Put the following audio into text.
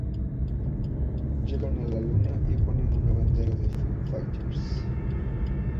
Llegan a la Luna, y ponen una bandera de Foo Fighters.